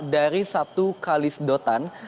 dari satu kali sedotan